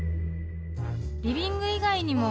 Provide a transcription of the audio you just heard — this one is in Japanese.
［リビング以外にも］